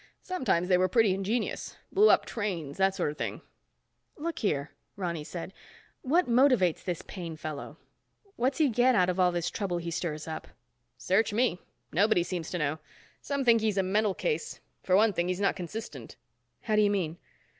Sometimes they were pretty ingenious. Blew up trains, that sort of thing." "Look here," Ronny said, "what motivates this Paine fellow? What's he get out of all this trouble he stirs up?" "Search me. Nobody seems to know. Some think he's a mental case. For one thing, he's not consistent." "How do you mean?"